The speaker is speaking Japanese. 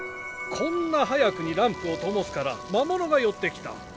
こんな早くにランプをともすから魔物が寄ってきた。